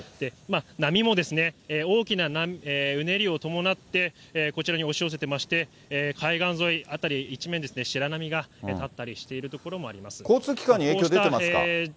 波も大きなうねりを伴ってこちらに押し寄せてまして、海岸沿い辺り一面、白波が立ったりしている所もあります。